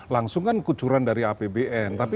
langsung kan kucuran dari apbn tapi